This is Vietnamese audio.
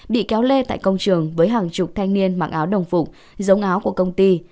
bị kéo lê tại công trường với hàng chục thanh niên mặc áo đồng phục giống áo của công ty